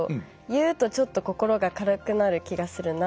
言うとちょっと心が軽くなる気がするな。